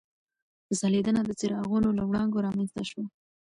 ځلېدنه د څراغونو له وړانګو رامنځته شوې.